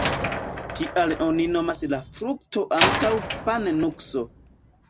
Tial oni nomas la frukto ankaŭ pan-nukso.